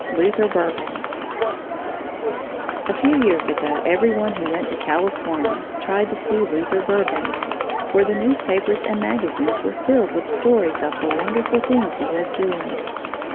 LUTHER BURBANK A few years ago every one who went to California tried to see Luther Burbank, for the newspapers and magazines were filled with stories of the wonderful things he was doing.